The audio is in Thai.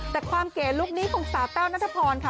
แต่ความเกลียดลูกนี้ของสาแป้วนัทพรค่ะ